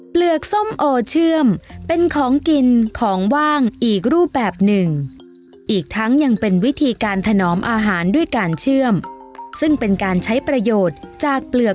เปลือกส้มโอเชื่อมเป็นของกินของว่างอีกรูปแบบหนึ่งอีกทั้งยังเป็นวิธีการถนอมอาหารด้วยการเชื่อมซึ่งเป็นการใช้ประโยชน์จากเปลือก